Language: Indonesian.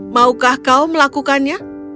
maukah kau melakukannya